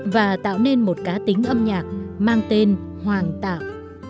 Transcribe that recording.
và tạo nên một cá tính âm nhạc mang tên hoàng tạo